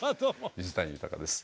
水谷豊です。